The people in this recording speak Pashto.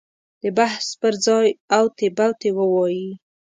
د بحث پر ځای اوتې بوتې ووایي.